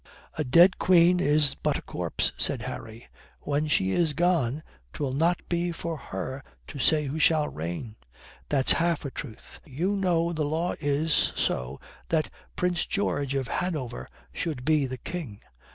"A dead Queen is but a corpse," said Harry. "When she is gone 'twill not be for her to say who shall reign." "That's half a truth. You know the law is so that Prince George of Hanover should be the King.